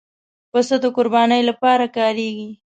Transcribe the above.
پسه د قربانۍ لپاره کارېږي.